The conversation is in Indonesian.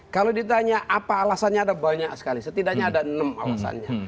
kalau ditanya apa alasannya ada banyak sekali setidaknya ada enam alasannya